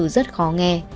rất khó nghe